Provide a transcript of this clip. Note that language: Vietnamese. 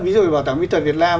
ví dụ bảo tàng mỹ thuật việt nam